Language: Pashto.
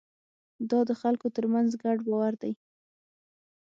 دا د خلکو ترمنځ ګډ باور دی.